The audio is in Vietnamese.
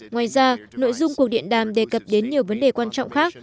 ngoài ra nội dung cuộc điện đàm đề cập đến nhiều vấn đề quan trọng khác